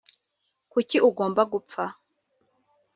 kuki ugomba gupfa?